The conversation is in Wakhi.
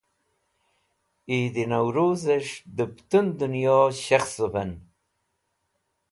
Eid e Nawruz Es̃h de putun Duno Shekhsuven